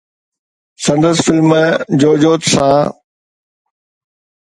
سندس فلم ”جوجود“ سان